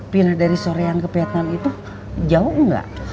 pindah dari soreang ke vietnam itu jauh nggak